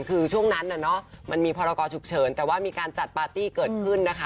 คือช่วงนั้นมันมีพรกรฉุกเฉินแต่ว่ามีการจัดปาร์ตี้เกิดขึ้นนะคะ